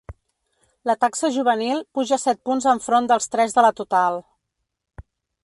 La taxa juvenil puja set punts enfront dels tres de la total.